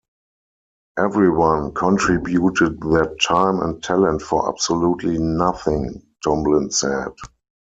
"Everyone contributed their time and talent for absolutely nothing," Tomblin said.